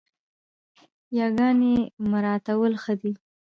ياګاني مراعتول ښه دي